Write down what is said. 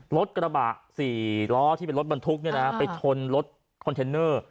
รถกระบะ๔ล้อที่เป็นรถบรรทุกไปชนรถคอนเทนเนอร์